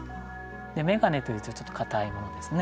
で眼鏡というとちょっと硬いものですね。